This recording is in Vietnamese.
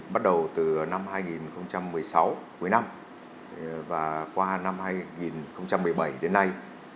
bắt đầu từ năm hai nghìn một mươi sáu cuối năm và qua năm hai nghìn một mươi bảy đến nay